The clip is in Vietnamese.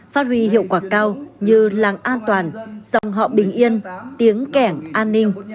phát huy hiệu quả cao như làng an toàn dòng họ bình yên tiếng kẻng an ninh